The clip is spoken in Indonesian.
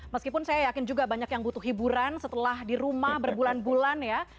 meskipun saya yakin juga banyak yang butuh hiburan setelah di rumah berbulan bulan ya